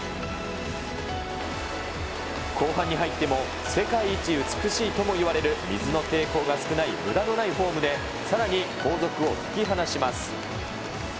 後半に入っても、世界一美しいともいわれる水の抵抗が少ないむだのないフォームで、さらに後続を引き離します。